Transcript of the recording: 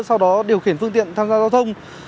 sau đó điều khiển phương tiện tham gia giao thông